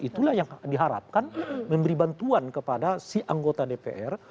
itulah yang diharapkan memberi bantuan kepada si anggota dpr